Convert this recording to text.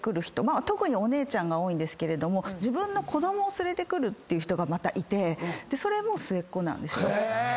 特にお姉ちゃんが多いんですけど自分の子供を連れてくる人いてそれも末っ子なんですよ。